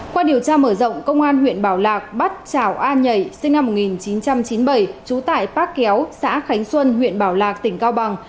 qua điều tra mở rộng công an huyện bảo lạc bắt trảo an nhảy sinh năm một nghìn chín trăm chín mươi bảy trú tại bác kéo xã khánh xuân huyện bảo lạc tỉnh cao bằng